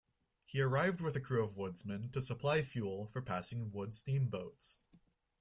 He arrived with a crew of woodsmen to supply fuel for passing wood steamboats.